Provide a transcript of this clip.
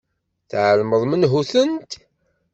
Tεelmeḍ menhu-tent?